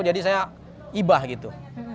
jadi saya ibah gitu